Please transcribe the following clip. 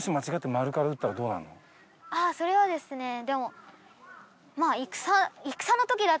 ああそれはですねでも。